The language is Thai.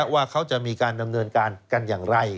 ว่าเขาจะมีการดำเนินการกันอย่างไร